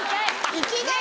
いきなり？